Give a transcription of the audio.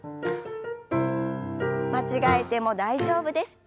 間違えても大丈夫です。